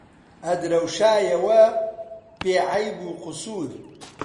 ئەدرەوشایەوە بێعەیب و قوسوور